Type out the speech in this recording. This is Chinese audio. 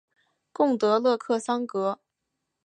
贡德勒克桑格。